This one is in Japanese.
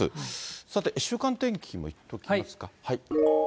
さて、週間天気もいっときますか。